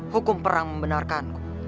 hukum perang membenarkanku